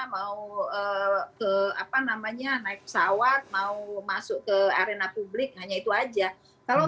mau naik pesawat mau masuk ke arena publik hanya itu aja